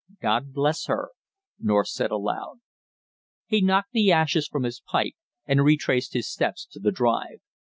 "God bless her!" North said aloud. He knocked the ashes from his pipe, and retraced his steps to the drive.